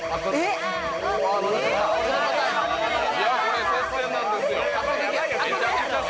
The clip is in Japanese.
これ接戦なんですよ。